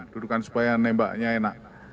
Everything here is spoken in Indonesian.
dudukan supaya nembaknya enak